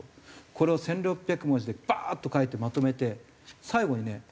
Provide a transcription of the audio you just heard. これを１６００文字でバーッと書いてまとめて最後にね